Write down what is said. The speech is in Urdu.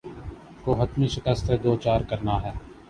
کو حتمی شکست سے دوچار کرنا ہے۔